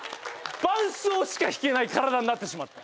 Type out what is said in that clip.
伴奏しか弾けない体になってしまった！